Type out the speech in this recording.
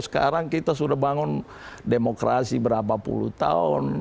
sekarang kita sudah bangun demokrasi berapa puluh tahun